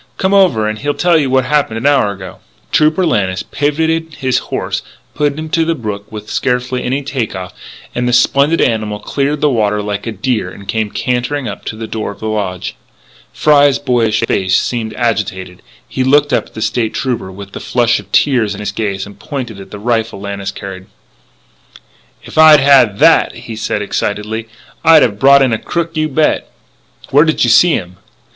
Come over and he'll tell you what happened an hour ago." Trooper Lannis pivotted his horse and put him to the brook with scarcely any take off; and the splendid animal cleared the water like a deer and came cantering up to the door of the lodge. Fry's boyish face seemed agitated; he looked up at the State Trooper with the flush of tears in his gaze and pointed at the rifle Lannis carried: "If I'd had that," he said excitedly, "I'd have brought in a crook, you bet!" "Where did you see him?"